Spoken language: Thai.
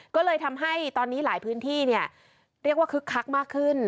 ก็เลยทำให้ตอนนี้หลายพื้นที่เรียกว่าคึกคักมากขึ้น